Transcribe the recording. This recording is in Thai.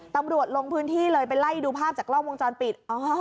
ตำรวจลงพื้นที่เลยไปไล่ดูภาพจากกล้องวงจรปิด